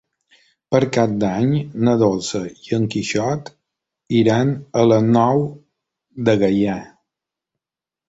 Per Cap d'Any na Dolça i en Quixot iran a la Nou de Gaià.